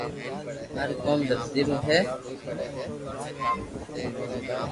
مارو ڪوم درزي رو ھي